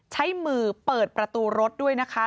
ใช้มือเปิดประตูรถด้วยนะคะ